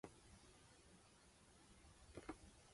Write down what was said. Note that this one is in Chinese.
智深道：“胡说，这等一个大去处，不信没斋粮。